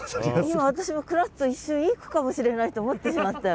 今私もクラッと一瞬いい句かもしれないと思ってしまったよ。